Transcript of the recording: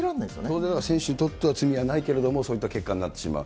当然、だから選手にとっては罪はないけれども、そういう結果になってしまう。